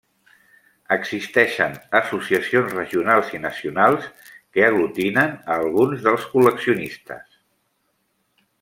Existeixen associacions regionals i nacionals que aglutinen a alguns dels col·leccionistes.